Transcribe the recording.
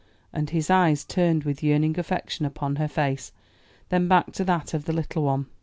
And his eyes turned with yearning affection upon her face, then back to that of the little one.